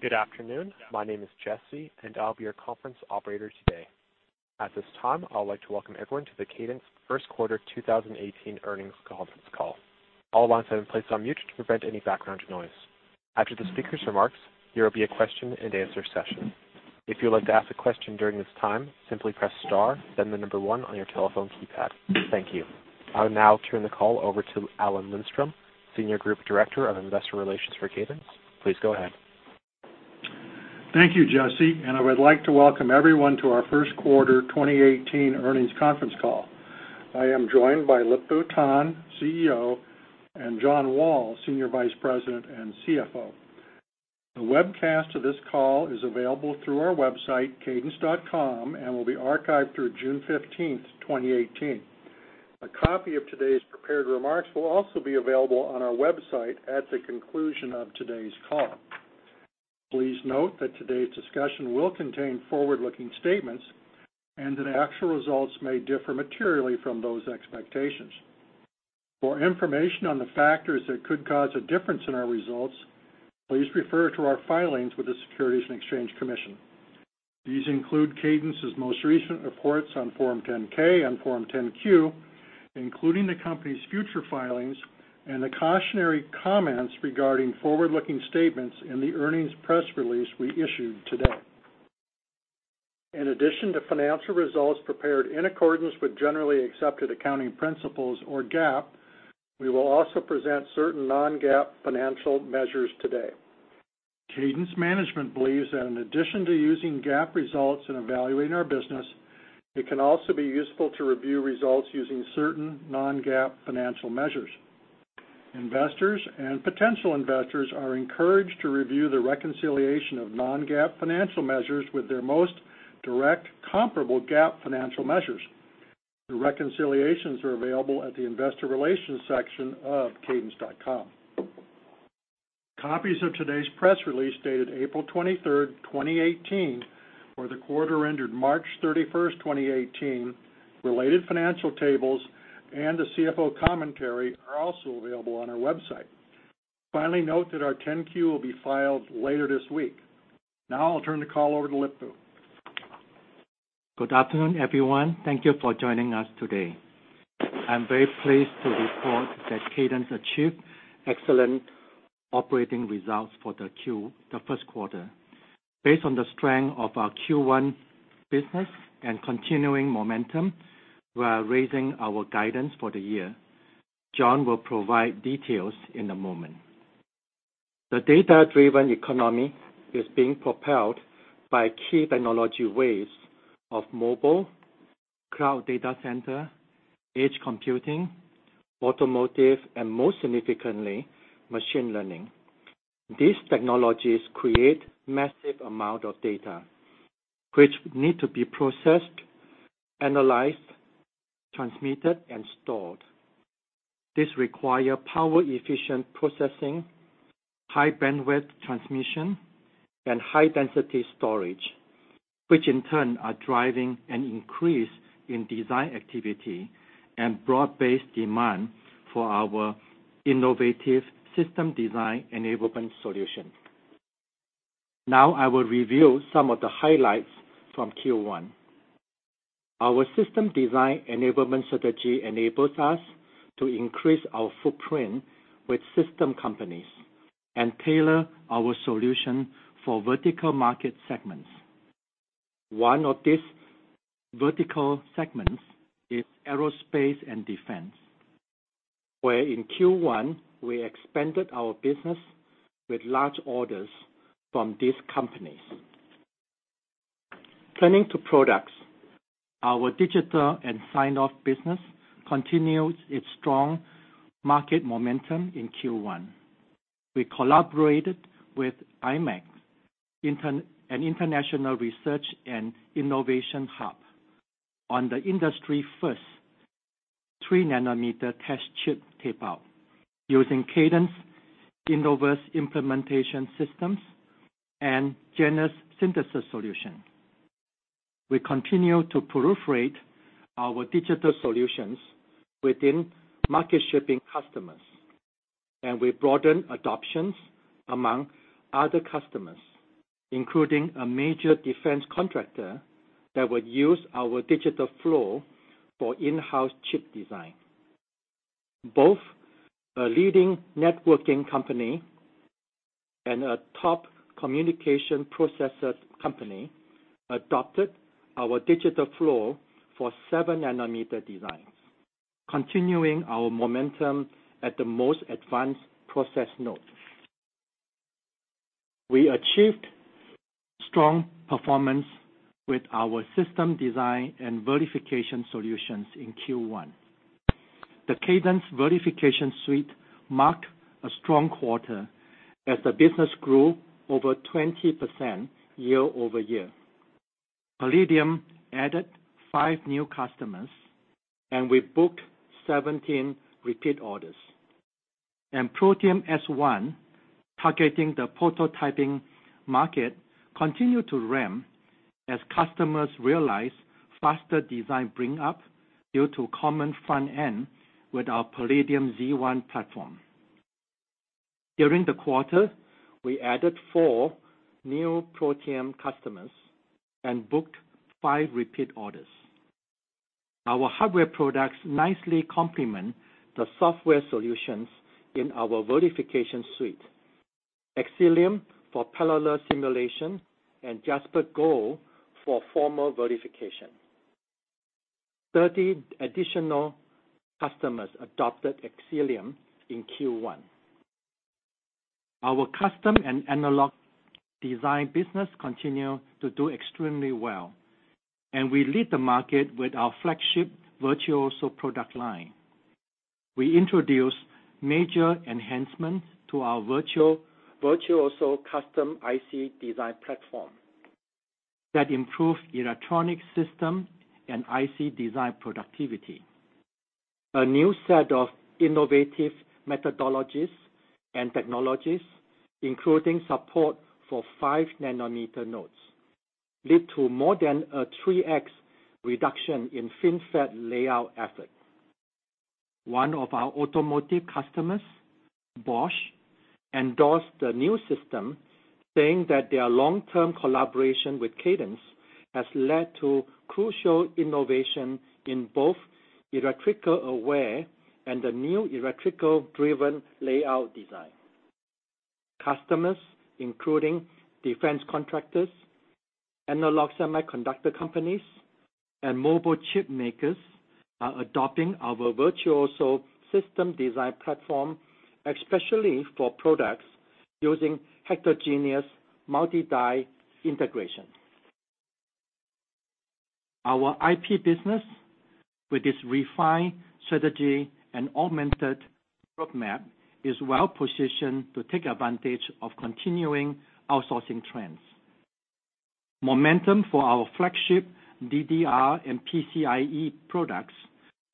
Good afternoon. My name is Jesse, and I'll be your conference operator today. At this time, I would like to welcome everyone to the Cadence first quarter 2018 earnings conference call. All lines have been placed on mute to prevent any background noise. After the speaker's remarks, there will be a question and answer session. If you would like to ask a question during this time, simply press star, then the number 1 on your telephone keypad. Thank you. I will now turn the call over to Alan Lindstrom, Senior Group Director of Investor Relations for Cadence. Please go ahead. Thank you, Jesse, and I would like to welcome everyone to our first quarter 2018 earnings conference call. I am joined by Lip-Bu Tan, CEO, and John Wall, Senior Vice President and CFO. The webcast of this call is available through our website, cadence.com, and will be archived through June 15th, 2018. A copy of today's prepared remarks will also be available on our website at the conclusion of today's call. Please note that today's discussion will contain forward-looking statements and that actual results may differ materially from those expectations. For information on the factors that could cause a difference in our results, please refer to our filings with the Securities and Exchange Commission. These include Cadence's most recent reports on Form 10-K and Form 10-Q, including the company's future filings and the cautionary comments regarding forward-looking statements in the earnings press release we issued today. In addition to financial results prepared in accordance with generally accepted accounting principles or GAAP, we will also present certain non-GAAP financial measures today. Cadence management believes that in addition to using GAAP results in evaluating our business, it can also be useful to review results using certain non-GAAP financial measures. Investors and potential investors are encouraged to review the reconciliation of non-GAAP financial measures with their most direct comparable GAAP financial measures. The reconciliations are available at the investor relations section of cadence.com. Copies of today's press release dated April 23rd, 2018, for the quarter ended March 31st, 2018, related financial tables, and the CFO commentary are also available on our website. Note that our 10-Q will be filed later this week. I'll turn the call over to Lip-Bu. Good afternoon, everyone. Thank you for joining us today. I'm very pleased to report that Cadence achieved excellent operating results for the first quarter. Based on the strength of our Q1 business and continuing momentum, we are raising our guidance for the year. John will provide details in a moment. The data-driven economy is being propelled by key technology waves of mobile, cloud data center, edge computing, automotive, and most significantly, machine learning. These technologies create massive amount of data, which need to be processed, analyzed, transmitted, and stored. This require power-efficient processing, high bandwidth transmission, and high density storage, which in turn are driving an increase in design activity and broad-based demand for our innovative System Design Enablement solution. I will review some of the highlights from Q1. Our system design enablement strategy enables us to increase our footprint with system companies and tailor our solution for vertical market segments. One of these vertical segments is aerospace and defense, where in Q1, we expanded our business with large orders from these companies. Turning to products, our digital and sign-off business continues its strong market momentum in Q1. We collaborated with imec, an international research and innovation hub, on the industry first three nanometer test chip tape-out using Cadence Innovus implementation systems and Genus synthesis solution. We continue to proliferate our digital solutions within market shipping customers, and we broaden adoptions among other customers, including a major defense contractor that would use our digital flow for in-house chip design. Both a leading networking company and a top communication processor company adopted our digital flow for seven nanometer designs, continuing our momentum at the most advanced process node. We achieved strong performance with our system design and verification solutions in Q1. The Cadence Verification Suite marked a strong quarter as the business grew over 20% year-over-year. Palladium added five new customers, and we booked 17 repeat orders. Protium S1, targeting the prototyping market, continued to ramp as customers realize faster design bring up due to common front end with our Palladium Z1 platform. During the quarter, we added four new Protium customers and booked five repeat orders. Our hardware products nicely complement the software solutions in our verification suite. Xcelium for parallel simulation and JasperGold for formal verification. 30 additional customers adopted Xcelium in Q1. Our custom and analog design business continue to do extremely well, and we lead the market with our flagship Virtuoso product line. We introduce major enhancements to our Virtuoso custom IC design platform that improves electronic system and IC design productivity. A new set of innovative methodologies and technologies, including support for five nanometer nodes, lead to more than a 3x reduction in FinFET layout effort. One of our automotive customers, Bosch, endorsed the new system saying that their long-term collaboration with Cadence has led to crucial innovation in both electrical aware and the new electrical-driven layout design. Customers, including defense contractors, analog semiconductor companies, and mobile chip makers, are adopting our Virtuoso system design platform, especially for products using heterogeneous multi-die integration. Our IP business, with its refined strategy and augmented roadmap, is well-positioned to take advantage of continuing outsourcing trends. Momentum for our flagship DDR and PCIe products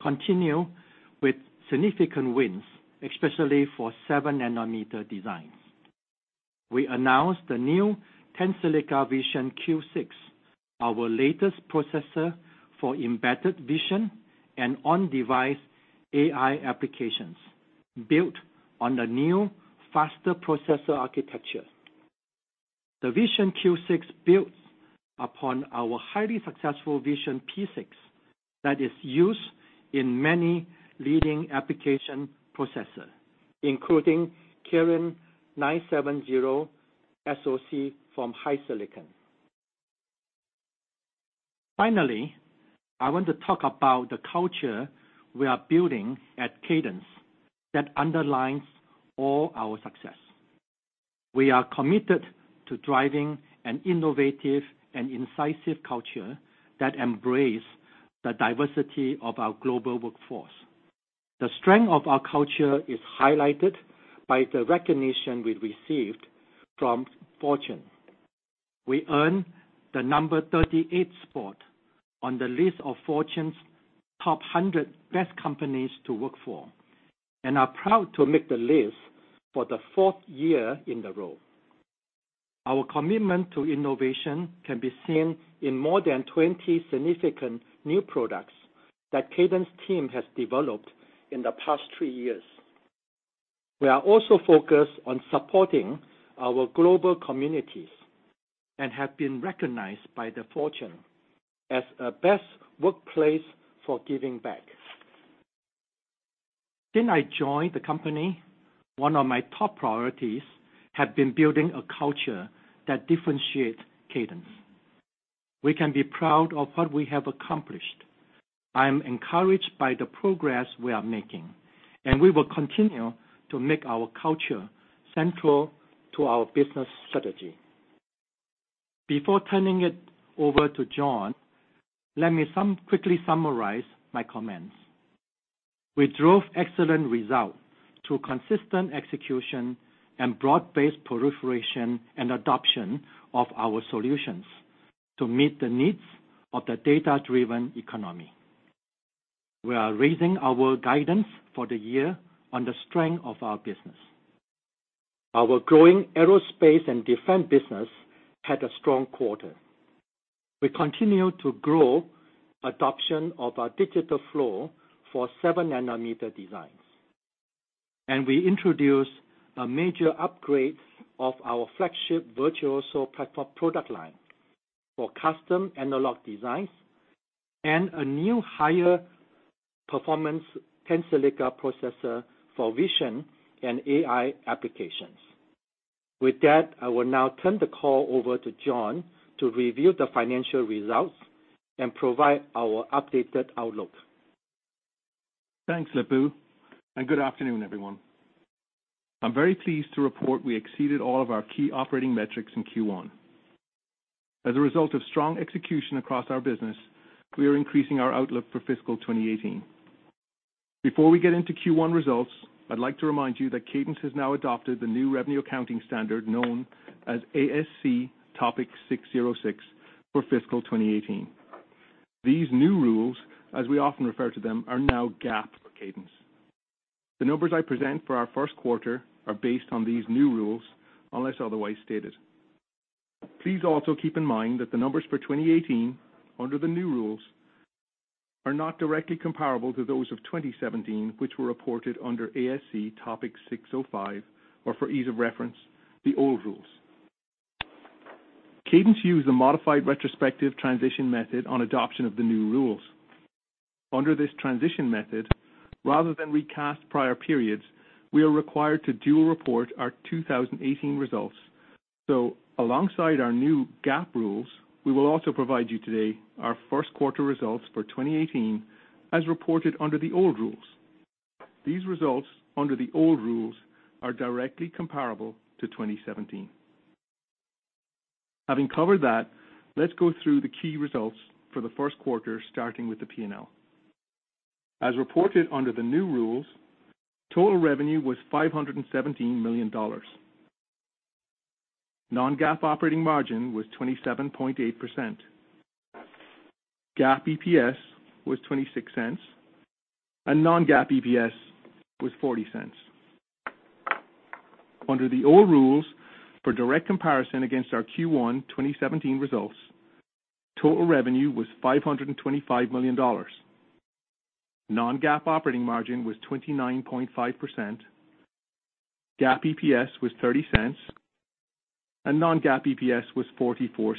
continue with significant wins, especially for seven nanometer designs. We announced the new Tensilica Vision Q6, our latest processor for embedded vision and on-device AI applications, built on the new faster processor architecture. The Vision Q6 builds upon our highly successful Vision P6 that is used in many leading application processors, including Kirin 970 SoC from HiSilicon. Finally, I want to talk about the culture we are building at Cadence that underlines all our success. We are committed to driving an innovative and incisive culture that embrace the diversity of our global workforce. The strength of our culture is highlighted by the recognition we received from Fortune. We earned the number 38 spot on the list of Fortune's top 100 Best Companies to Work For and are proud to make the list for the fourth year in a row. Our commitment to innovation can be seen in more than 20 significant new products that Cadence team has developed in the past three years. We are also focused on supporting our global communities and have been recognized by the Fortune as a best workplace for giving back. Since I joined the company, one of my top priorities had been building a culture that differentiates Cadence. We can be proud of what we have accomplished. I am encouraged by the progress we are making, and we will continue to make our culture central to our business strategy. Before turning it over to John, let me quickly summarize my comments. We drove excellent results through consistent execution and broad-based proliferation and adoption of our solutions to meet the needs of the data-driven economy. We are raising our guidance for the year on the strength of our business. Our growing aerospace and defense business had a strong quarter. We continue to grow adoption of our digital flow for seven nanometer designs. We introduced a major upgrade of our flagship Virtuoso platform product line for custom analog designs and a new higher performance Tensilica processor for vision and AI applications. With that, I will now turn the call over to John to review the financial results and provide our updated outlook. Thanks, Lip-Bu. Good afternoon, everyone. I'm very pleased to report we exceeded all of our key operating metrics in Q1. As a result of strong execution across our business, we are increasing our outlook for fiscal 2018. Before we get into Q1 results, I'd like to remind you that Cadence has now adopted the new revenue accounting standard known as ASC Topic 606 for fiscal 2018. These new rules, as we often refer to them, are now GAAP for Cadence. The numbers I present for our first quarter are based on these new rules, unless otherwise stated. Please also keep in mind that the numbers for 2018, under the new rules, are not directly comparable to those of 2017, which were reported under ASC Topic 605, or for ease of reference, the old rules. Cadence used a modified retrospective transition method on adoption of the new rules. Under this transition method, rather than recast prior periods, we are required to dual report our 2018 results. Alongside our new GAAP rules, we will also provide you today our first quarter results for 2018, as reported under the old rules. These results, under the old rules, are directly comparable to 2017. Having covered that, let's go through the key results for the first quarter, starting with the P&L. As reported under the new rules, total revenue was $517 million. Non-GAAP operating margin was 27.8%. GAAP EPS was $0.26. Non-GAAP EPS was $0.40. Under the old rules, for direct comparison against our Q1 2017 results, total revenue was $525 million. Non-GAAP operating margin was 29.5%. GAAP EPS was $0.30. Non-GAAP EPS was $0.44.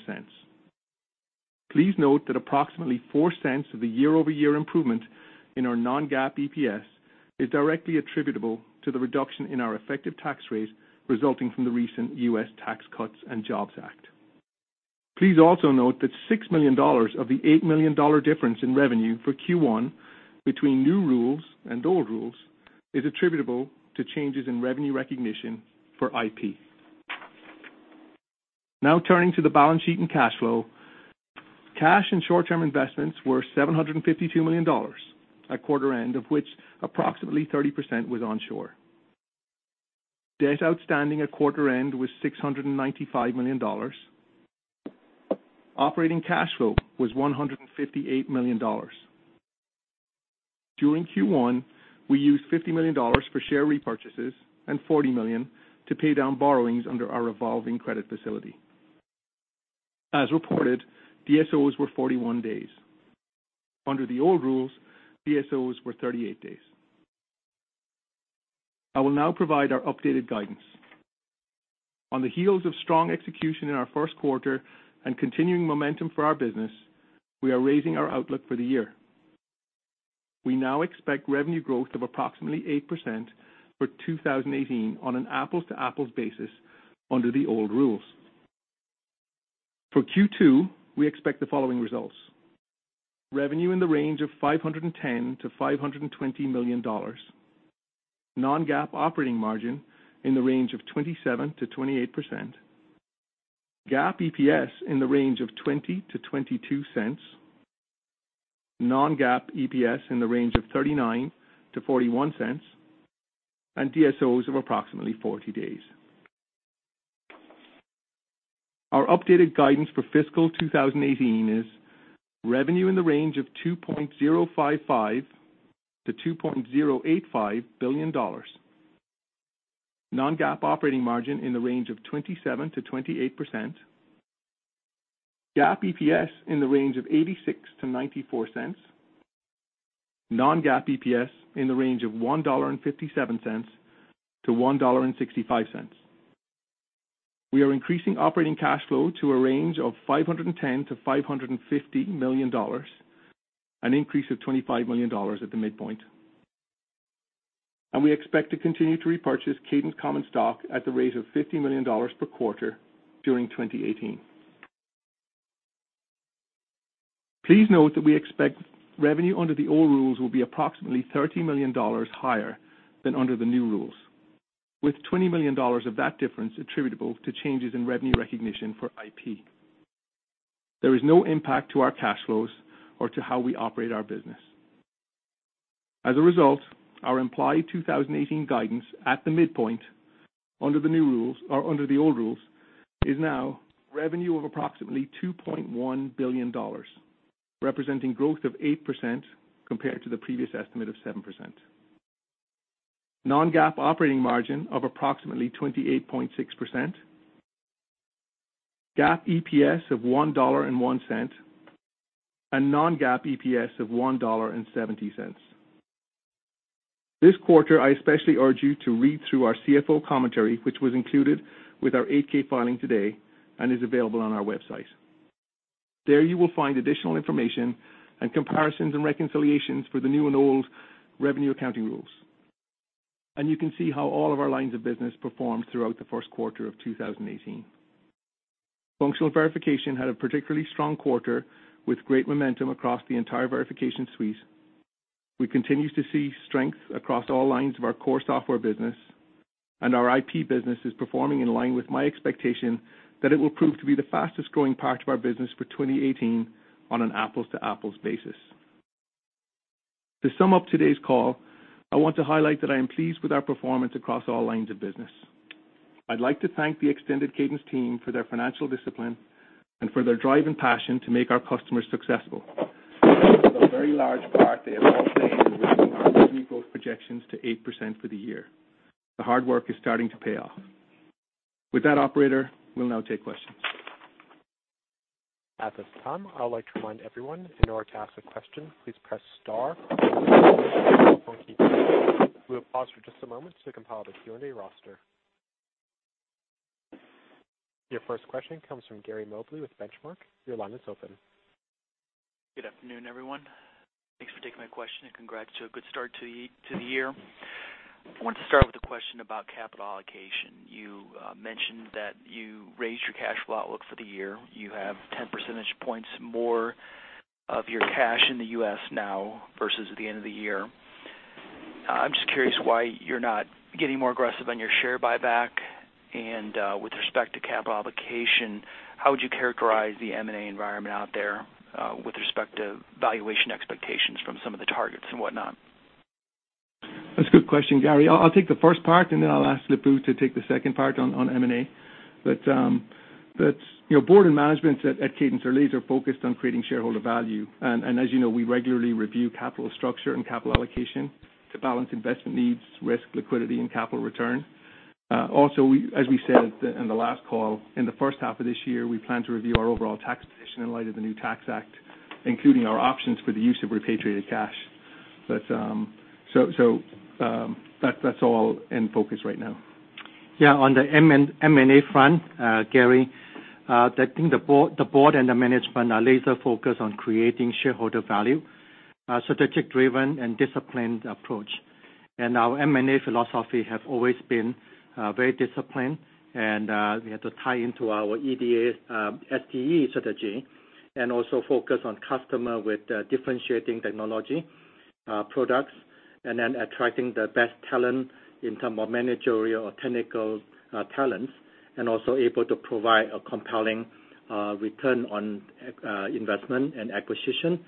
Please note that approximately $0.04 of the year-over-year improvement in our non-GAAP EPS is directly attributable to the reduction in our effective tax rate resulting from the recent U.S. Tax Cuts and Jobs Act. Please also note that $6 million of the $8 million difference in revenue for Q1 between new rules and old rules is attributable to changes in revenue recognition for IP. Turning to the balance sheet and cash flow. Cash and short-term investments were $752 million at quarter end, of which approximately 30% was onshore. Debt outstanding at quarter end was $695 million. Operating cash flow was $158 million. During Q1, we used $50 million for share repurchases and $40 million to pay down borrowings under our revolving credit facility. As reported, DSOs were 41 days. Under the old rules, DSOs were 38 days. I will now provide our updated guidance. On the heels of strong execution in our first quarter and continuing momentum for our business, we are raising our outlook for the year. We now expect revenue growth of approximately 8% for 2018 on an apples-to-apples basis under the old rules. For Q2, we expect the following results. Revenue in the range of $510 million-$520 million. Non-GAAP operating margin in the range of 27%-28%. GAAP EPS in the range of $0.20-$0.22. Non-GAAP EPS in the range of $0.39-$0.41, and DSOs of approximately 40 days. Our updated guidance for fiscal 2018 is revenue in the range of $2.055 billion-$2.085 billion. Non-GAAP operating margin in the range of 27%-28%. GAAP EPS in the range of $0.86-$0.94. Non-GAAP EPS in the range of $1.57-$1.65. We are increasing operating cash flow to a range of $510 million-$550 million, an increase of $25 million at the midpoint. We expect to continue to repurchase Cadence common stock at the rate of $50 million per quarter during 2018. Please note that we expect revenue under the old rules will be approximately $30 million higher than under the new rules, with $20 million of that difference attributable to changes in revenue recognition for IP. There is no impact to our cash flows or to how we operate our business. As a result, our implied 2018 guidance at the midpoint under the old rules, is now revenue of approximately $2.1 billion, representing growth of 8% compared to the previous estimate of 7%. Non-GAAP operating margin of approximately 28.6%. GAAP EPS of $1.01. Non-GAAP EPS of $1.70. This quarter, I especially urge you to read through our CFO commentary, which was included with our 8-K filing today and is available on our website. There you will find additional information and comparisons and reconciliations for the new and old revenue accounting rules. You can see how all of our lines of business performed throughout the first quarter of 2018. Functional verification had a particularly strong quarter with great momentum across the entire Cadence Verification Suite. We continue to see strength across all lines of our core software business, and our IP business is performing in line with my expectation that it will prove to be the fastest-growing part of our business for 2018 on an apples-to-apples basis. To sum up today's call, I want to highlight that I am pleased with our performance across all lines of business. I'd like to thank the extended Cadence team for their financial discipline and for their drive and passion to make our customers successful. A very large part they have all played in raising our revenue growth projections to 8% for the year. The hard work is starting to pay off. With that, operator, we'll now take questions. At this time, I would like to remind everyone, in order to ask a question, please press star on your telephone keypad. We will pause for just a moment to compile the Q&A roster. Your first question comes from Gary Mobley with Benchmark. Your line is open. Good afternoon, everyone. Thanks for taking my question, and congrats to a good start to the year. I wanted to start with a question about capital allocation. You mentioned that you raised your cash flow outlook for the year. You have 10 percentage points more of your cash in the U.S. now versus at the end of the year. I'm just curious why you're not getting more aggressive on your share buyback. With respect to capital allocation, how would you characterize the M&A environment out there with respect to valuation expectations from some of the targets and whatnot? That's a good question, Gary. I'll take the first part, then I'll ask Lip-Bu to take the second part on M&A. Board and management at Cadence are laser focused on creating shareholder value. As you know, we regularly review capital structure and capital allocation to balance investment needs, risk, liquidity, and capital return. Also, as we said in the last call, in the first half of this year, we plan to review our overall tax position in light of the new Tax Act, including our options for the use of repatriated cash. That's all in focus right now. Yeah, on the M&A front, Gary, I think the board and the management are laser focused on creating shareholder value, strategic driven and disciplined approach. Our M&A philosophy have always been very disciplined, and we have to tie into our EDA, SDE strategy, also focus on customer with differentiating technology products, then attracting the best talent in term of managerial or technical talents, also able to provide a compelling return on investment and acquisition.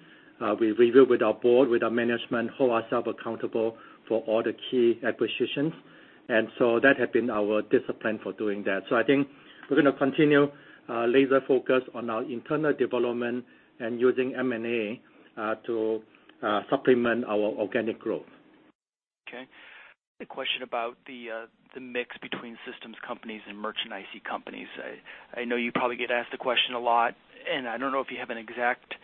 We review with our board, with our management, hold ourselves accountable for all the key acquisitions. That had been our discipline for doing that. I think we're going to continue laser focused on our internal development and using M&A to supplement our organic growth. Okay. A question about the mix between systems companies and merchant IC companies. I know you probably get asked the question a lot, and I don't know if you have an exact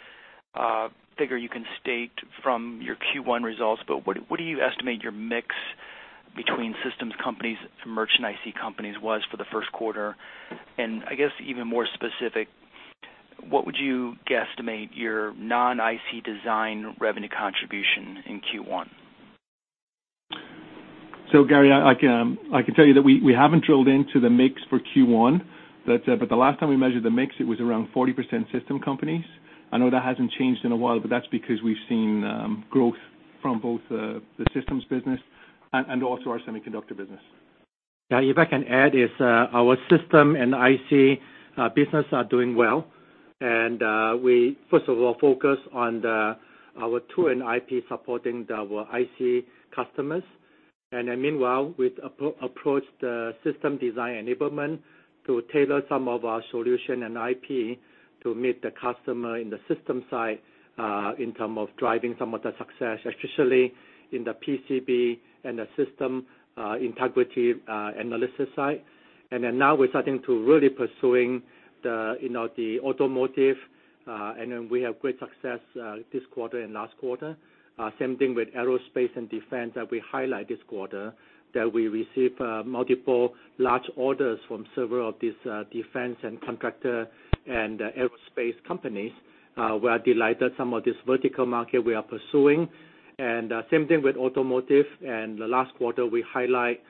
figure you can state from your Q1 results, but what do you estimate your mix between systems companies to merchant IC companies was for the first quarter? I guess even more specific, what would you guesstimate your non-IC design revenue contribution in Q1? Gary, I can tell you that we haven't drilled into the mix for Q1, but the last time we measured the mix, it was around 40% system companies. I know that hasn't changed in a while, but that's because we've seen growth from both the systems business and also our semiconductor business. If I can add, is our system and IC business are doing well. We first of all focus on our tool and IP supporting our IC customers. Meanwhile, we approached System Design Enablement to tailor some of our solution and IP to meet the customer in the system side in term of driving some of the success, especially in the PCB and the system integrity analysis side. Now we're starting to really pursuing the automotive, then we have great success this quarter and last quarter. Same thing with aerospace and defense that we highlight this quarter, that we receive multiple large orders from several of these defense and contractor and aerospace companies. We are delighted some of this vertical market we are pursuing. Same thing with automotive, in the last quarter, we highlight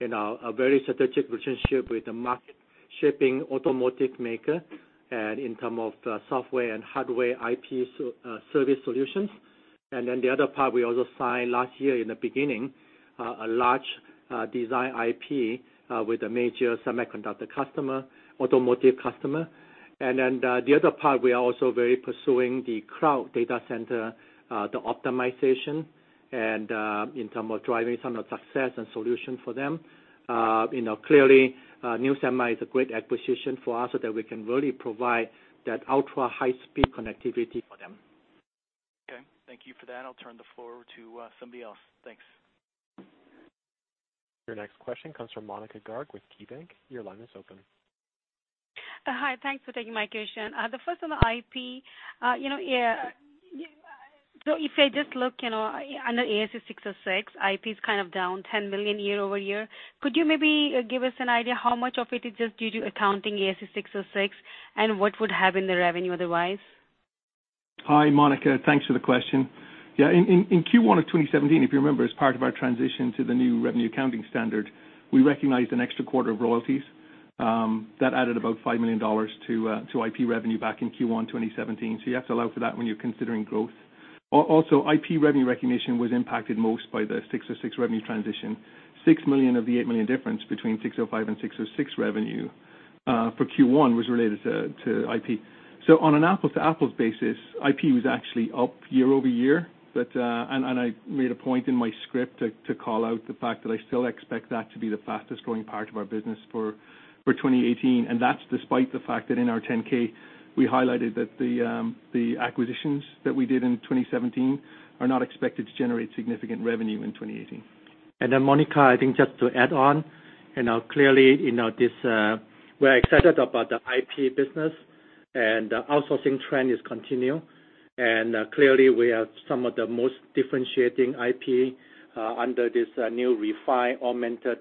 a very strategic relationship with a market-shaping automotive maker in terms of software and hardware IP service solutions. The other part, we also signed last year in the beginning, a large design IP with a major semiconductor customer, automotive customer. The other part, we are also very pursuing the cloud data center, the optimization, and in terms of driving some of success and solution for them. Clearly, nusemi is a great acquisition for us so that we can really provide that ultra-high-speed connectivity for them. Okay. Thank you for that. I'll turn the floor to somebody else. Thanks. Your next question comes from Monika Garg with KeyBanc. Your line is open. Hi. Thanks for taking my question. First on the IP. If I just look under ASC 606, IP's kind of down $10 million year-over-year. Could you maybe give us an idea how much of it is just due to accounting ASC 606, and what would have been the revenue otherwise? Hi, Monika. Thanks for the question. In Q1 of 2017, if you remember, as part of our transition to the new revenue accounting standard, we recognized an extra quarter of royalties. That added about $5 million to IP revenue back in Q1 2017. You have to allow for that when you're considering growth. Also, IP revenue recognition was impacted most by the 606 revenue transition. 6 million of the 8 million difference between 605 and 606 revenue for Q1 was related to IP. On an apples-to-apples basis, IP was actually up year-over-year. I made a point in my script to call out the fact that I still expect that to be the fastest growing part of our business for 2018. That's despite the fact that in our 10-K, we highlighted that the acquisitions that we did in 2017 are not expected to generate significant revenue in 2018. Monica, I think just to add on, clearly we're excited about the IP business and the outsourcing trend is continue. Clearly, we have some of the most differentiating IP under this new refined, augmented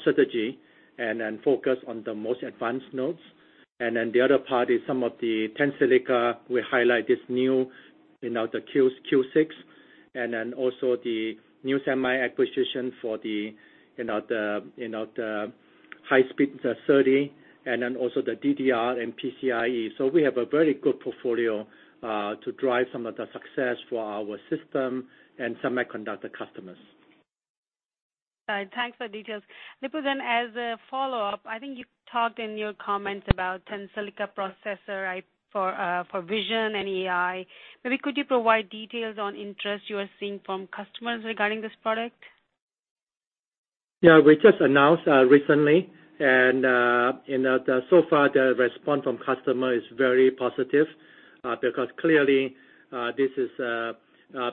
strategy, and focus on the most advanced nodes. The other part is some of the Tensilica we highlight this new, the Q6. Also the nusemi acquisition for the high speed SerDes, and also the DDR and PCIe. We have a very good portfolio to drive some of the success for our system and semiconductor customers. All right. Thanks for the details. Lip-Bu, as a follow-up, I think you talked in your comments about Tensilica processor for vision and AI. Maybe could you provide details on interest you are seeing from customers regarding this product? We just announced recently. So far the response from customer is very positive. Clearly, this is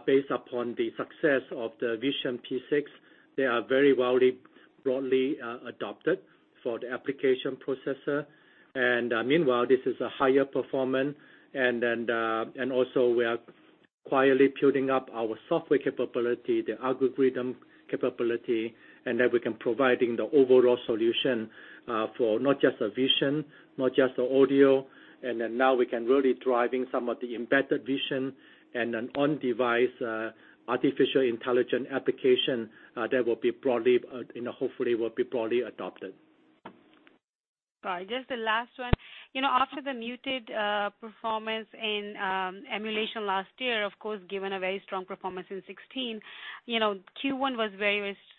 based upon the success of the Vision P6. They are very broadly adopted for the application processor. Meanwhile, this is a higher performance. Also we are quietly building up our software capability, the algorithm capability. Then we can providing the overall solution, for not just the vision, not just the audio. Now we can really driving some of the embedded vision and an on-device artificial intelligence application, hopefully will be broadly adopted. All right. Just the last one. After the muted performance in emulation last year, of course, given a very strong performance in 2016, Q1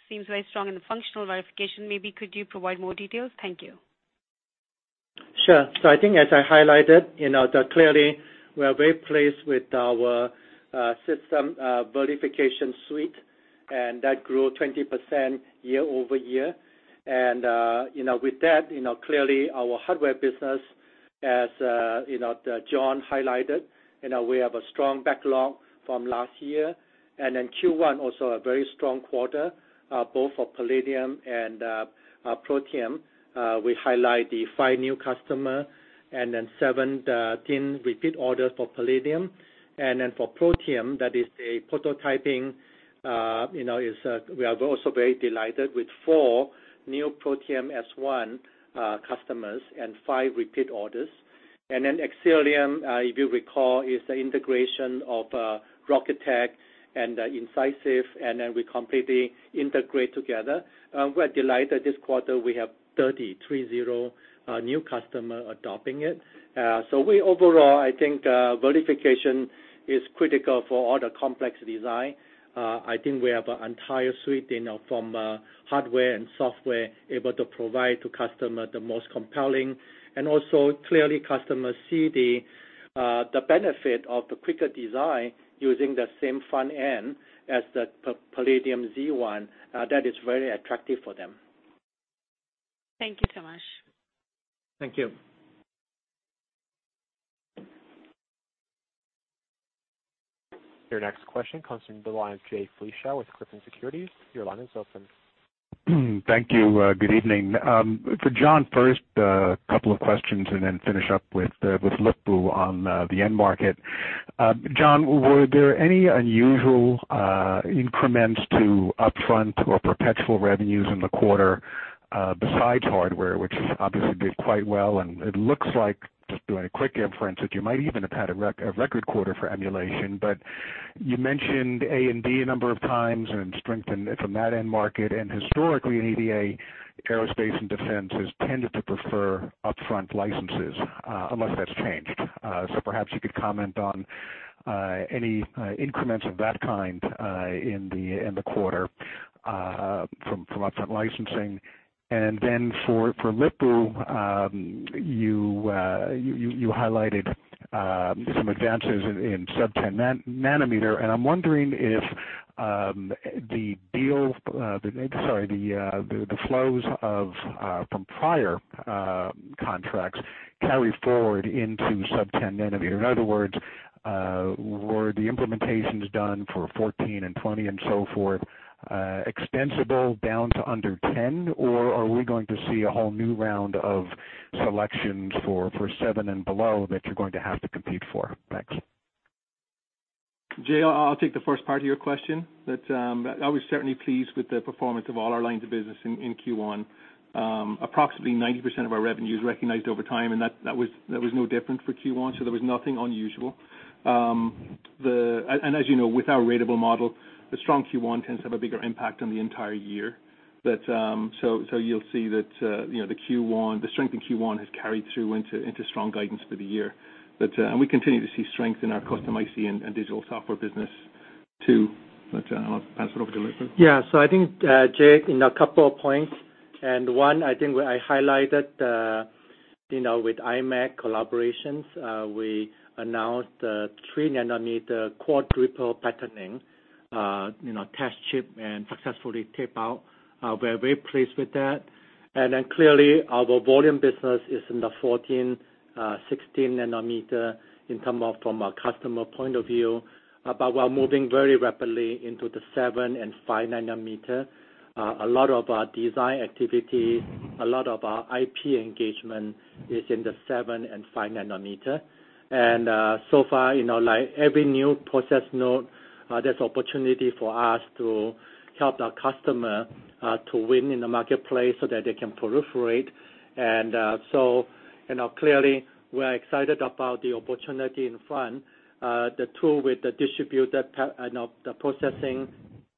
seems very strong in the functional verification. Maybe could you provide more details? Thank you. Sure. I think as I highlighted, clearly we are very pleased with our Cadence Verification Suite, that grew 20% year-over-year. With that, clearly our hardware business, as John highlighted, we have a strong backlog from last year. Q1 also a very strong quarter, both for Palladium and Protium. We highlight the five new customer. Then 17 repeat orders for Palladium. For Protium, that is a prototyping, we are also very delighted with four new Protium S1 customers and five repeat orders. Xcelium, if you recall, is the integration of Rocketick and Incisive. Then we completely integrate together. We're delighted this quarter we have 30, three zero, new customer adopting it. We overall, I think, verification is critical for all the complex design. I think we have an entire suite from hardware and software able to provide to customer the most compelling. Also clearly customers see the benefit of the quicker design using the same front end as the Palladium Z1. That is very attractive for them. Thank you so much. Thank you. Your next question comes from the line of Jay Vleeschhouwer with Griffin Securities. Your line is open. Thank you. Good evening. For John first, couple of questions and then finish up with Lip-Bu on the end market. John, were there any unusual increments to upfront or perpetual revenues in the quarter, besides hardware, which obviously did quite well, and it looks like, just doing a quick inference, that you might even have had a record quarter for emulation. You mentioned A&D a number of times and strength from that end market, and historically in EDA, aerospace and defense has tended to prefer upfront licenses, unless that's changed. Perhaps you could comment on any increments of that kind in the quarter from upfront licensing. For Lip-Bu, you highlighted some advances in sub 10 nanometer, and I'm wondering if the flows from prior contracts carry forward into sub 10 nanometer. In other words, were the implementations done for 14 and 20 and so forth extensible down to under 10? Or are we going to see a whole new round of selections for seven and below that you're going to have to compete for? Thanks. Jay, I'll take the first part of your question. That I was certainly pleased with the performance of all our lines of business in Q1. Approximately 90% of our revenue is recognized over time, and that was no different for Q1, so there was nothing unusual. As you know, with our ratable model, the strong Q1 tends to have a bigger impact on the entire year. You'll see that the strength in Q1 has carried through into strong guidance for the year. We continue to see strength in our custom IC and digital software business Two. I'll pass it over to Lip-Bu. Yeah. I think, Jay, in a couple of points, one, I think I highlighted with Imec collaborations, we announced the 3 nanometer quad ripple patterning, test chip, and successfully tape out. We're very pleased with that. Clearly, our volume business is in the 14, 16 nanometer in terms of from a customer point of view. We're moving very rapidly into the seven and five nanometer. A lot of our design activity, a lot of our IP engagement is in the seven and five nanometer. So far, like every new process node, there's opportunity for us to help our customer to win in the marketplace so that they can proliferate. So clearly we're excited about the opportunity in front, the tool with the distributed and the processing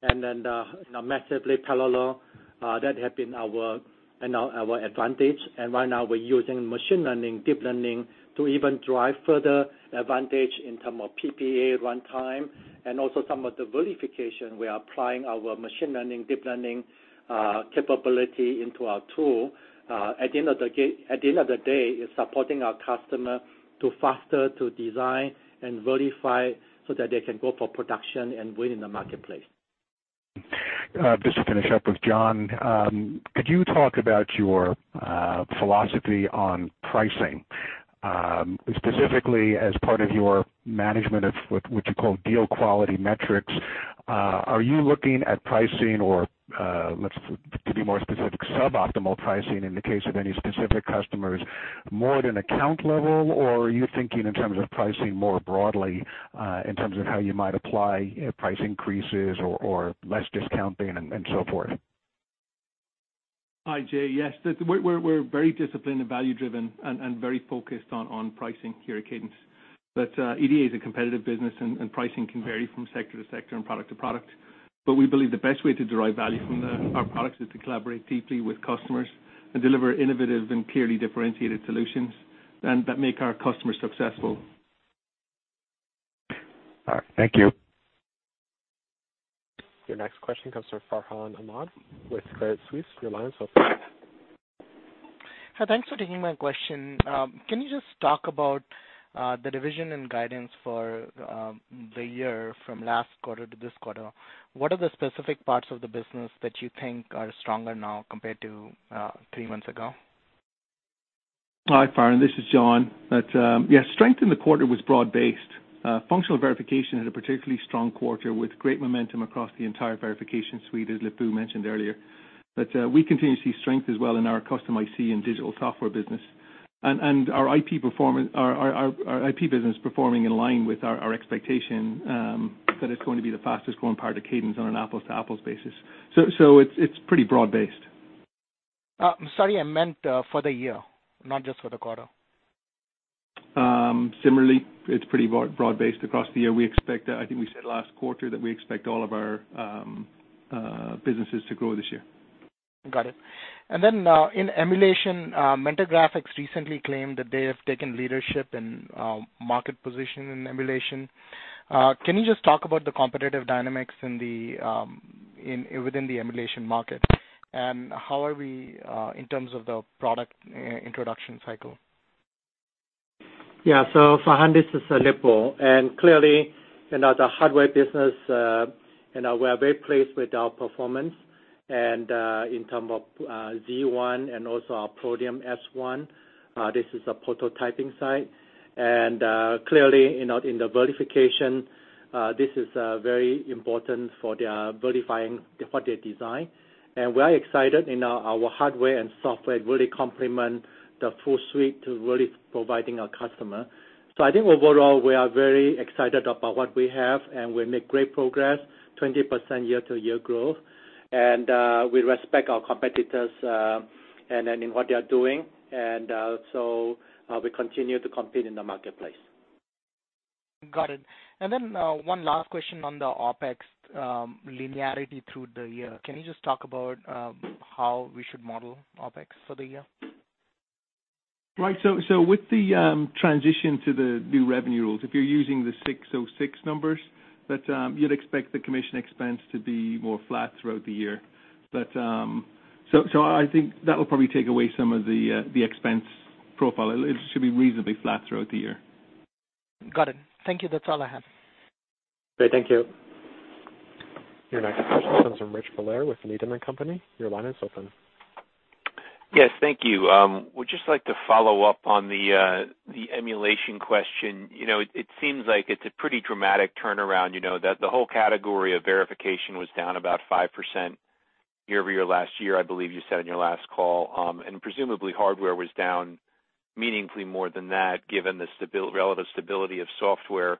and then the massively parallel that have been our advantage. Right now we're using machine learning, deep learning to even drive further advantage in terms of PPA runtime and also some of the verification we are applying our machine learning, deep learning capability into our tool. At the end of the day, it's supporting our customer to faster to design and verify so that they can go for production and win in the marketplace. Just to finish up with John. Could you talk about your philosophy on pricing, specifically as part of your management of what you call deal quality metrics? Are you looking at pricing or, let's, to be more specific, suboptimal pricing in the case of any specific customers more at an account level? Or are you thinking in terms of pricing more broadly, in terms of how you might apply price increases or less discounting and so forth? Hi, Jay. Yes, we're very disciplined and value driven and very focused on pricing here at Cadence. EDA is a competitive business and pricing can vary from sector to sector and product to product. We believe the best way to derive value from our products is to collaborate deeply with customers and deliver innovative and clearly differentiated solutions and that make our customers successful. All right, thank you. Your next question comes from Farhan Ahmad with Credit Suisse. Your line is open. Hi, thanks for taking my question. Can you just talk about the division and guidance for the year from last quarter to this quarter? What are the specific parts of the business that you think are stronger now compared to three months ago? Hi, Farhan, this is John. Yeah, strength in the quarter was broad-based. Functional verification had a particularly strong quarter with great momentum across the entire Cadence Verification Suite, as Lip-Bu mentioned earlier. We continue to see strength as well in our custom IC and digital software business. Our IP business performing in line with our expectation, that it's going to be the fastest growing part of Cadence on an apples-to-apples basis. It's pretty broad-based. Sorry, I meant for the year, not just for the quarter. Similarly, it's pretty broad-based across the year. I think we said last quarter that we expect all of our businesses to grow this year. Got it. In emulation, Mentor Graphics recently claimed that they have taken leadership and market position in emulation. Can you just talk about the competitive dynamics within the emulation market? How are we in terms of the product introduction cycle? Yeah. Farhan, this is Lip-Bu. Clearly in the hardware business, we are very pleased with our performance, in terms of Z1 and also our Protium S1, this is a prototyping site. Clearly in the verification, this is very important for their verifying for their design. We are excited in our hardware and software really complement the full suite to really providing our customer. I think overall, we are very excited about what we have, and we make great progress, 20% year-to-year growth. We respect our competitors and in what they are doing. We continue to compete in the marketplace. Got it. One last question on the OpEx linearity through the year. Can you just talk about how we should model OpEx for the year? Right. With the transition to the new revenue rules, if you're using the 606 numbers, you'd expect the commission expense to be more flat throughout the year. I think that'll probably take away some of the expense profile. It should be reasonably flat throughout the year. Got it. Thank you. That's all I have. Okay, thank you. Your next question comes from Richard Valera with Needham & Company. Your line is open. Yes, thank you. Would just like to follow up on the emulation question. It seems like it's a pretty dramatic turnaround, that the whole category of verification was down about 5% year-over-year last year, I believe you said in your last call. Presumably hardware was down meaningfully more than that given the relative stability of software.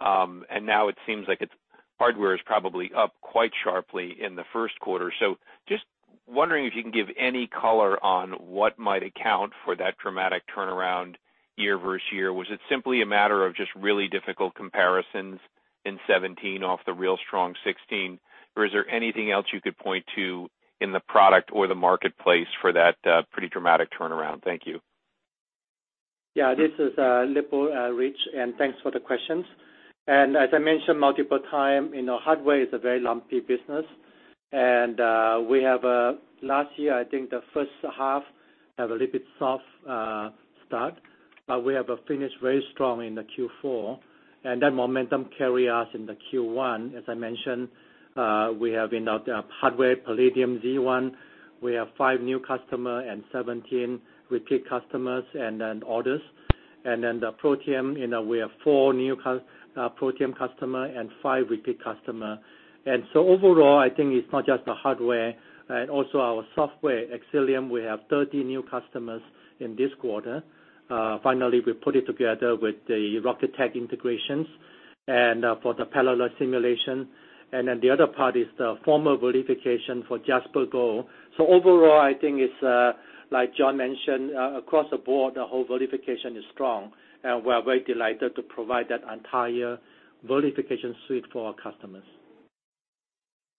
Now it seems like it's hardware is probably up quite sharply in the first quarter. Just wondering if you can give any color on what might account for that dramatic turnaround year versus year. Was it simply a matter of just really difficult comparisons in 2017 off the real strong 2016, or is there anything else you could point to in the product or the marketplace for that pretty dramatic turnaround? Thank you. This is Lip-Bu, Rich, thanks for the questions. As I mentioned multiple times, hardware is a very lumpy business. Last year, I think the first half have a little bit soft start, but we have finished very strong in the Q4, that momentum carry us in the Q1. As I mentioned, we have in our hardware Palladium Z1, we have 5 new customers and 17 repeat customers and then orders. The Protium, we have 4 new Protium customers and 5 repeat customers. Overall, I think it's not just the hardware and also our software, Xcelium, we have 30 new customers in this quarter. Finally, we put it together with the Rocketick integrations and for the parallel simulation. The other part is the formal verification for JasperGold. Overall, I think it's like John mentioned, across the board, the whole verification is strong, and we are very delighted to provide that entire verification suite for our customers.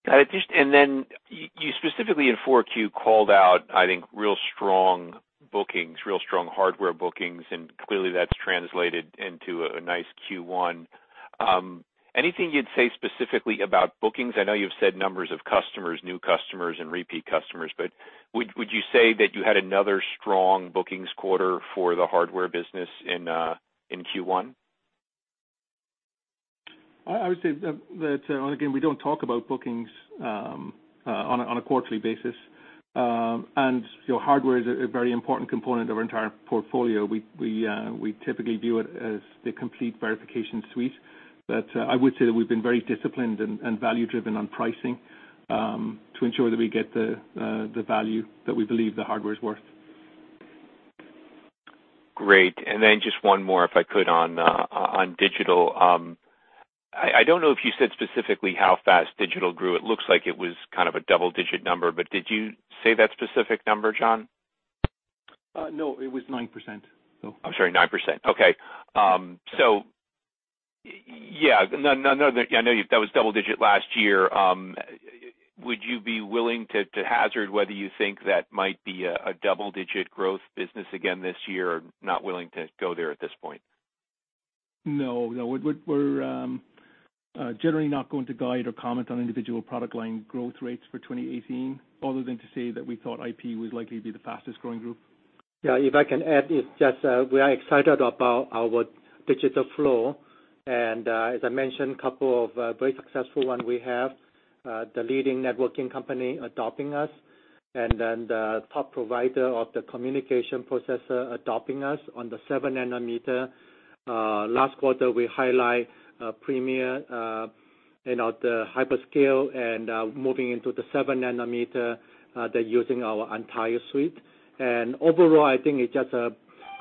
Got it. You specifically in Q4 called out, I think, real strong bookings, real strong hardware bookings, clearly that's translated into a nice Q1. Anything you'd say specifically about bookings? I know you've said numbers of customers, new customers and repeat customers, would you say that you had another strong bookings quarter for the hardware business in Q1? I would say that, again, we don't talk about bookings on a quarterly basis. Hardware is a very important component of our entire portfolio. We typically view it as the complete verification suite. I would say that we've been very disciplined and value-driven on pricing, to ensure that we get the value that we believe the hardware is worth. Great. Then just one more, if I could on digital. I don't know if you said specifically how fast digital grew. It looks like it was kind of a double-digit number, but did you say that specific number, John? No, it was 9%, Richard. I'm sorry, 9%. Okay. Yeah, I know that was double-digit last year. Would you be willing to hazard whether you think that might be a double-digit growth business again this year or not willing to go there at this point? No. We're generally not going to guide or comment on individual product line growth rates for 2018 other than to say that we thought IP would likely be the fastest-growing group. Yeah, if I can add, it's just we are excited about our digital flow. As I mentioned, couple of very successful one we have, the leading networking company adopting us and then the top provider of the communication processor adopting us on the seven nanometer. Last quarter, we highlight premier and the hyperscale and moving into the seven nanometer. They're using our entire suite. Overall, I think it just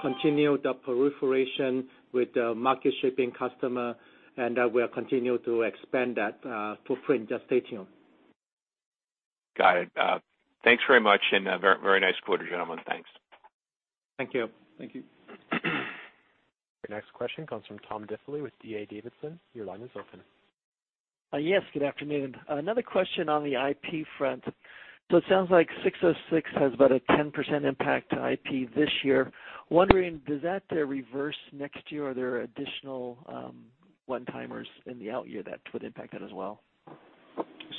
continued the proliferation with the market-shaping customer, and we'll continue to expand that footprint. Just stay tuned. Got it. Thanks very much. A very nice quarter, gentlemen. Thanks. Thank you. Thank you. Your next question comes from Tom Diffely with D.A. Davidson. Your line is open. Yes, good afternoon. Another question on the IP front. It sounds like 606 has about a 10% impact to IP this year. Wondering, does that reverse next year? Are there additional one-timers in the out year that would impact that as well?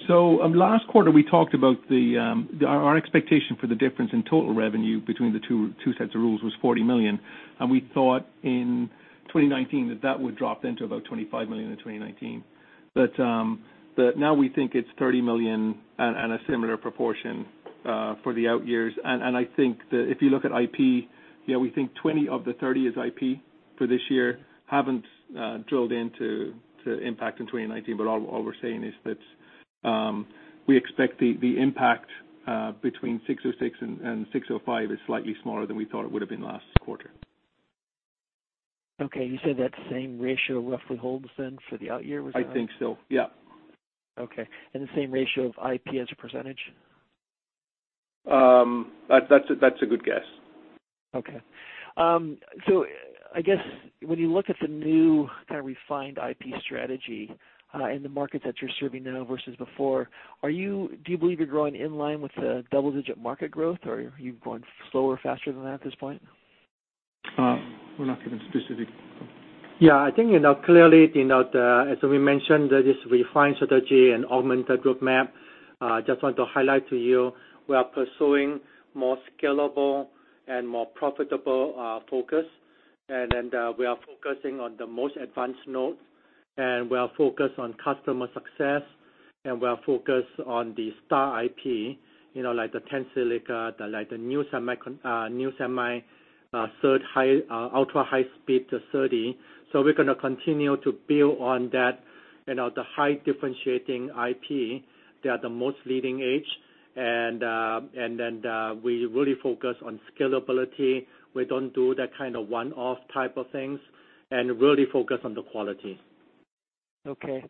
Last quarter, we talked about our expectation for the difference in total revenue between the two sets of rules was $40 million, and we thought in 2019 that that would drop into about $25 million in 2019. Now we think it's $30 million and a similar proportion for the out years. I think that if you look at IP, we think 20 of the 30 is IP for this year. Haven't drilled into impact in 2019, but all we're saying is that we expect the impact between 606 and 605 is slightly smaller than we thought it would have been last quarter. Okay. You said that same ratio roughly holds then for the out year? I think so. Yeah. Okay. The same ratio of IP as a percentage? That's a good guess. Okay. I guess when you look at the new kind of refined IP strategy in the markets that you're serving now versus before, do you believe you're growing in line with the double-digit market growth, or are you growing slower, faster than that at this point? We're not giving specific. Clearly as we mentioned, that is refined strategy and augmented roadmap. Just want to highlight to you, we are pursuing more scalable and more profitable focus. We are focusing on the most advanced node, and we are focused on customer success, and we are focused on the star IP, like the Tensilica, like the nusemi ultra-high-speed SerDes. We're going to continue to build on that, the high differentiating IP. They are the most leading-edge. We really focus on scalability. We don't do that kind of one-off type of things and really focus on the quality. Okay.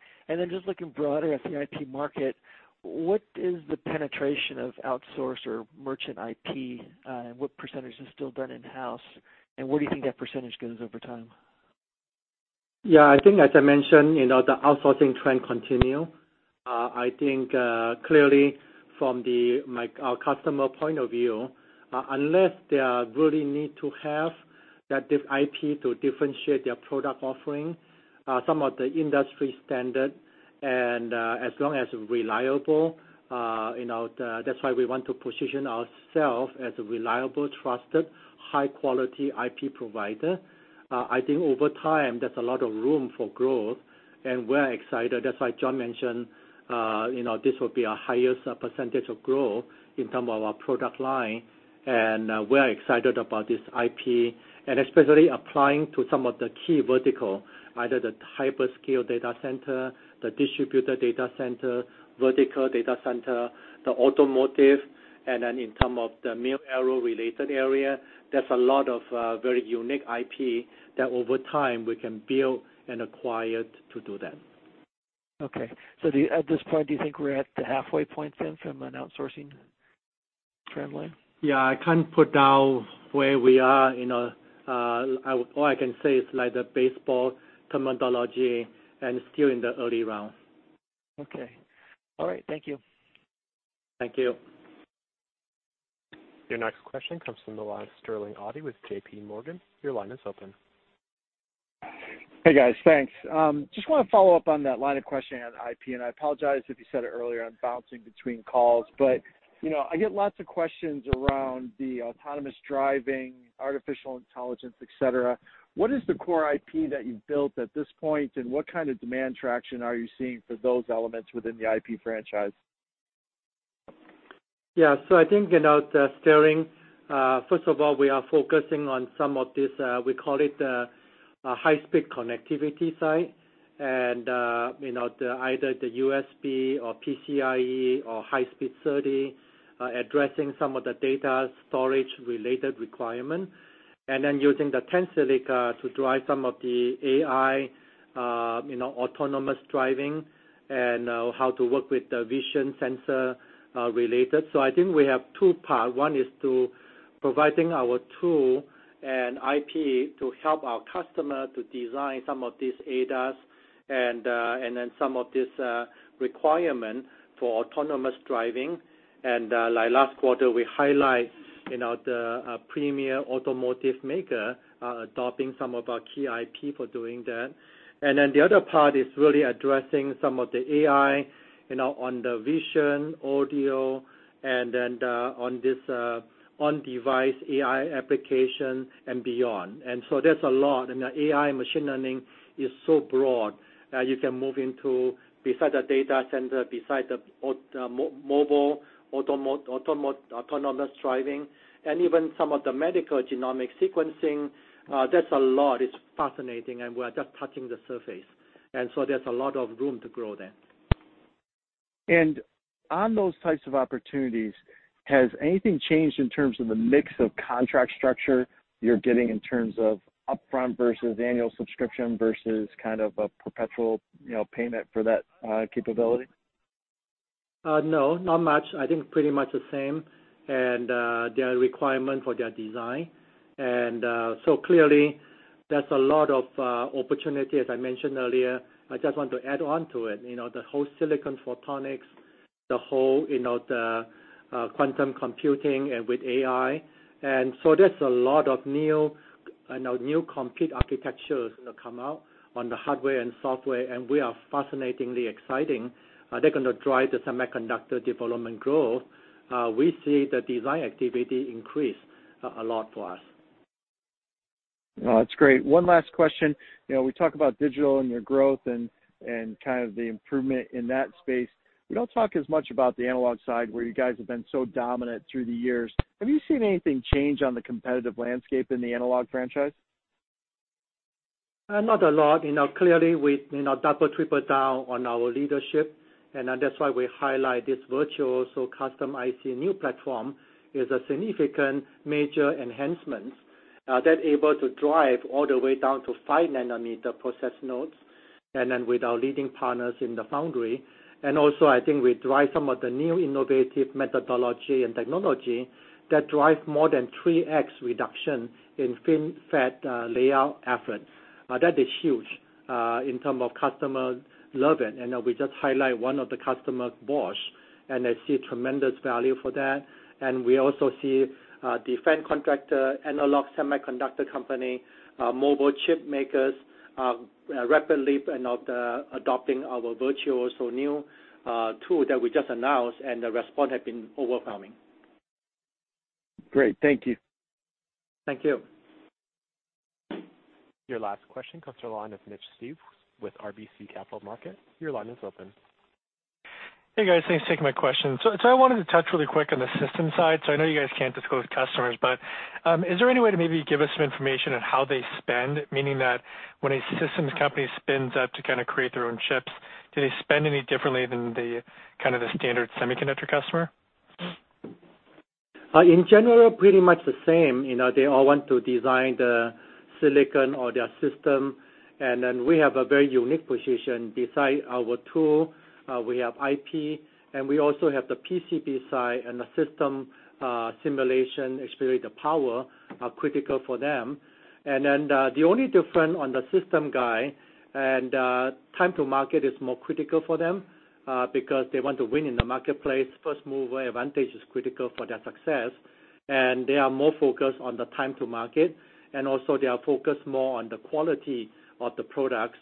Just looking broader at the IP market, what is the penetration of outsource or merchant IP? What percentage is still done in-house? Where do you think that percentage goes over time? As I mentioned, the outsourcing trend continue. Clearly from our customer point of view, unless they really need to have that IP to differentiate their product offering, some of the industry standard, and as long as reliable. That's why we want to position ourself as a reliable, trusted, high-quality IP provider. Over time, there's a lot of room for growth, and we're excited. That's why John mentioned this will be our highest percentage of growth in term of our product line, and we're excited about this IP, and especially applying to some of the key vertical, either the hyperscale data center, the distributor data center, vertical data center, the automotive, and then in term of the mil-aero related area. There's a lot of very unique IP that over time we can build and acquire to do that. Okay. At this point, do you think we're at the halfway point then from an outsourcing trend line? Yeah. I can't put down where we are. All I can say is like the baseball terminology, still in the early round. Okay. All right. Thank you. Thank you. Your next question comes from the line of Sterling Auty with J.P. Morgan. Your line is open. Hey, guys. Thanks. Just want to follow up on that line of questioning on IP. I apologize if you said it earlier, I'm bouncing between calls, but I get lots of questions around the autonomous driving, artificial intelligence, et cetera. What is the core IP that you've built at this point, and what kind of demand traction are you seeing for those elements within the IP franchise? Yeah. I think, Sterling, first of all, we are focusing on some of this, we call it high speed connectivity side, and either the USB or PCIe or high speed SerDes, addressing some of the data storage related requirement, and then using the Tensilica to drive some of the AI, autonomous driving and how to work with the vision sensor related. I think we have two part. One is to providing our tool and IP to help our customer to design some of these ADAS and then some of this requirement for autonomous driving. Like last quarter, we highlight the premier automotive maker adopting some of our key IP for doing that. The other part is really addressing some of the AI on the vision, audio, and then on this on device AI application and beyond. There's a lot, and the AI machine learning is so broad. You can move into beside the data center, beside the mobile autonomous driving and even some of the medical genomic sequencing. That's a lot. It's fascinating, and we're just touching the surface. There's a lot of room to grow there. On those types of opportunities, has anything changed in terms of the mix of contract structure you're getting in terms of upfront versus annual subscription versus a perpetual payment for that capability? No, not much. I think pretty much the same, and their requirement for their design. Clearly there's a lot of opportunity, as I mentioned earlier. I just want to add on to it. The whole silicon photonics, the whole quantum computing and with AI. There's a lot of new complete architectures going to come out on the hardware and software, and we are fascinatingly exciting. They're going to drive the semiconductor development growth. We see the design activity increase a lot for us. No, that's great. One last question. We talk about digital and your growth and the improvement in that space. We don't talk as much about the analog side, where you guys have been so dominant through the years. Have you seen anything change on the competitive landscape in the analog franchise? Not a lot. Clearly, we double, triple down on our leadership, and that's why we highlight this Virtuoso custom IC new platform is a significant major enhancements. They're able to drive all the way down to 5 nanometer process nodes, and then with our leading partners in the foundry. I think we drive some of the new innovative methodology and technology that drive more than 3x reduction in FinFET layout efforts. That is huge in terms of customer love it. We just highlight one of the customers, Bosch, and they see tremendous value for that. We also see defense contractor, analog semiconductor company, mobile chip makers rapidly adopting our Virtuoso new tool that we just announced, and the response has been overwhelming. Great. Thank you. Thank you. Your last question comes to the line of Mitch Steves with RBC Capital Markets. Your line is open. Hey, guys. Thanks for taking my question. I wanted to touch really quick on the system side. I know you guys can't disclose customers, but is there any way to maybe give us some information on how they spend? Meaning that when a systems company spins up to kind of create their own chips, do they spend any differently than the kind of the standard semiconductor customer? In general, pretty much the same. They all want to design the silicon or their system. We have a very unique position. Beside our tool, we have IP, and we also have the PCB side and the system simulation, especially the power are critical for them. The only difference on the system guy, and time to market is more critical for them, because they want to win in the marketplace. First mover advantage is critical for their success, and they are more focused on the time to market, and also they are focused more on the quality of the products.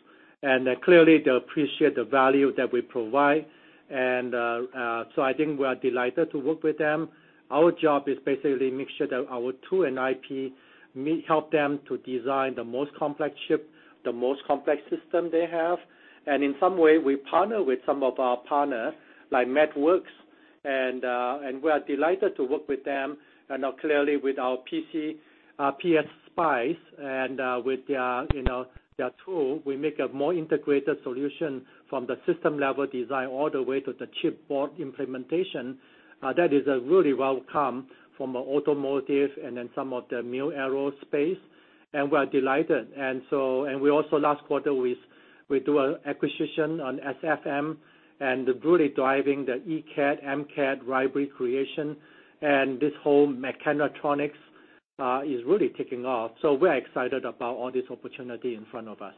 Clearly, they appreciate the value that we provide. I think we are delighted to work with them. Our job is basically make sure that our tool and IP help them to design the most complex chip, the most complex system they have. In some way, we partner with some of our partner, like MathWorks, and we are delighted to work with them and now clearly with our PSpice and with their tool, we make a more integrated solution from the system level design all the way to the chip board implementation. That is a really welcome from automotive and then some of the new aerospace, and we are delighted. We also, last quarter, we do an acquisition on SFM, and really driving the ECAD, MCAD library creation. This whole mechatronics is really taking off. We're excited about all this opportunity in front of us.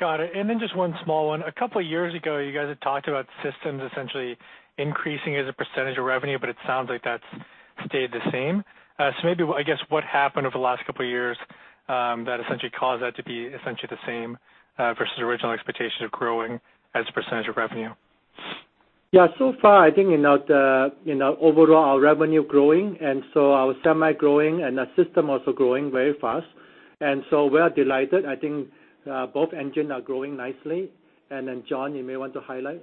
Got it. Just one small one. A couple of years ago, you guys had talked about systems essentially increasing as a percentage of revenue, but it sounds like that's stayed the same. Maybe, I guess, what happened over the last couple of years, that essentially caused that to be essentially the same, versus original expectation of growing as a percentage of revenue? Yeah. So far, I think overall, our revenue growing, and so our semi growing, and our system also growing very fast. We are delighted. I think both engine are growing nicely. John, you may want to highlight.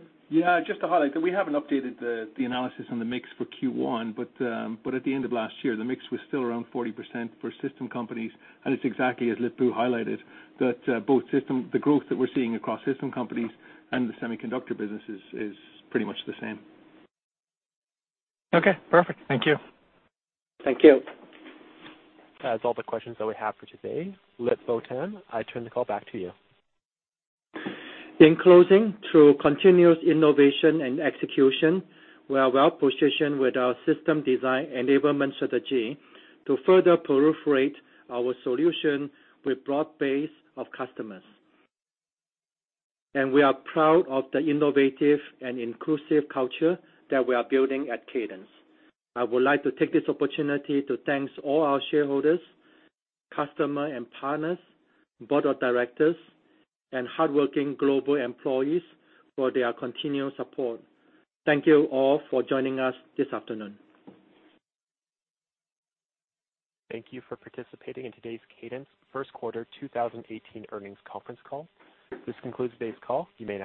Just to highlight, we haven't updated the analysis on the mix for Q1, at the end of last year, the mix was still around 40% for system companies, it's exactly as Lip-Bu highlighted, that both system, the growth that we're seeing across system companies and the semiconductor businesses is pretty much the same. Perfect. Thank you. Thank you. That is all the questions that we have for today. Lip-Bu Tan, I turn the call back to you. In closing, through continuous innovation and execution, we are well-positioned with our System Design Enablement strategy to further proliferate our solution with broad base of customers. We are proud of the innovative and inclusive culture that we are building at Cadence. I would like to take this opportunity to thank all our shareholders, customer and partners, board of directors, and hardworking global employees for their continued support. Thank you all for joining us this afternoon. Thank you for participating in today's Cadence first quarter 2018 earnings conference call. This concludes today's call. You may disconnect.